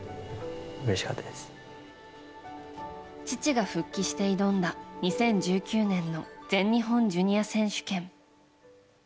父が復帰して挑んだ２０１９年の全日本ジュニア選手権。